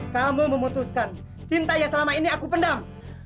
kamu memutuskan cintanya selama ini aku pendam